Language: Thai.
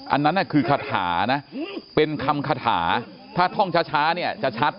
อันนั้นคือคาถานะเป็นคำคาถาถ้าท่องช้าเนี่ยจะชัด